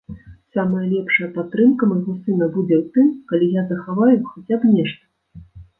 Самая лепшая падтрымка майго сына будзе ў тым, калі я захаваю хаця б нешта.